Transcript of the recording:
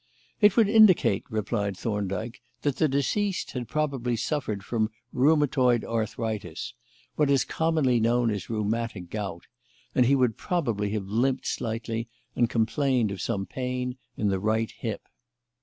"It would indicate," replied Thorndyke, "that the deceased had probably suffered from rheumatoid arthritis what is commonly known as rheumatic gout and he would probably have limped slightly and complained of some pain in the right hip."